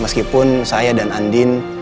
meskipun saya dan andin